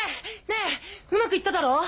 ねぇうまく行っただろ？